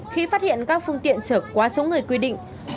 khi phát hiện các phương tiện trở quá số người quy định